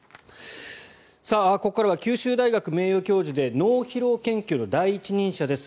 ここからは九州大学名誉教授で脳疲労の研究の第一人者です